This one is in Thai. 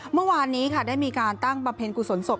เมื่อวานนี้ค่ะได้มีการตั้งบำเพ็ญกุศลศพ